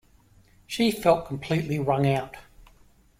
She felt completely wrung out.